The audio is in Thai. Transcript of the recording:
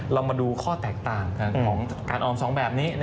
เรามาดูข้อแตกต่างของการออม๒แบบนี้